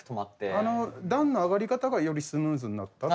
段の上がり方がよりスムーズになったっていう。